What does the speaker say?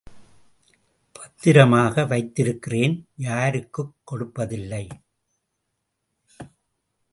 பத்திரமாக வைத்திருக்கிறேன் யாருக்குப் கொடுப்பதில்லை.